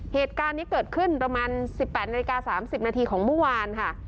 เหตุการณ์นี้เกิดขึ้นประมาณ๑๘นาฬิกา๓๐นาทีของเมื่อวานค่ะ